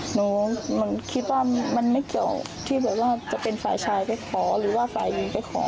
หนูคิดว่ามันไม่เกี่ยวที่แบบว่าจะเป็นฝ่ายชายไปขอหรือว่าฝ่ายหญิงไปขอ